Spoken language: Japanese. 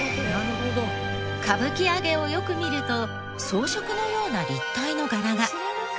歌舞伎揚をよく見ると装飾のような立体の柄が。